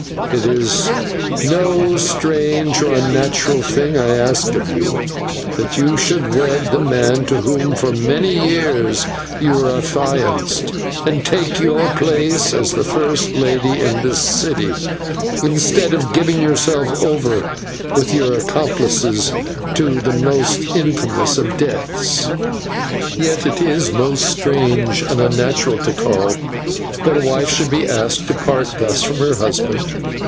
It is no strange or unnatural thing I ask of you that you should wed the man to whom for so many years you were affianced, and take your place as the first lady in this city, instead of giving yourself over, with your accomplices, to the most infamous of deaths." "Yet it is most strange and unnatural, Tikal, that a wife should be asked to part thus from her husband.